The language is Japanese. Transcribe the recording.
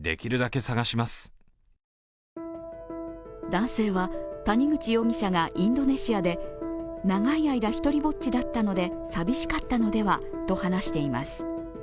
男性は谷口容疑者がインドネシアで、長い間、独りぼっちだったので寂しかったのではと話しています。